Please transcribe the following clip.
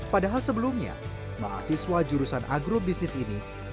padahal sebelumnya mahasiswa jurusan agrobisnis ini